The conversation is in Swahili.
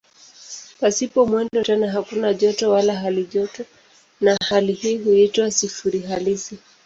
Pasipo mwendo tena hakuna joto wala halijoto na hali hii huitwa "sifuri halisi".